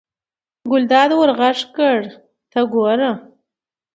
ګلداد ور غږ کړل: ته ګوره.